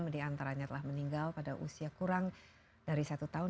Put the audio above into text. enam diantaranya telah meninggal pada usia kurang dari satu tahun